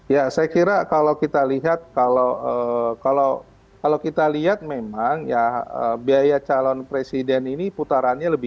ya saya kira kalau kita lihat kalau kita lihat memang ya biaya calon presiden ini putarannya lebih